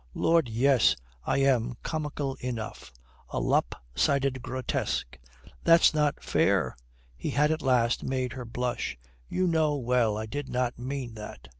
"Lord, yes, I am comical enough. A lop sided grotesque." "That's not fair!" He had at last made her blush. "You know well I did not mean that.